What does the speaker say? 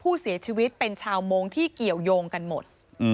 ผู้เสียชีวิตเป็นชาวมงค์ที่เกี่ยวยงกันหมด